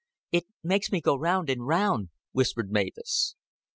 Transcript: "It makes me go round and round," whispered Mavis.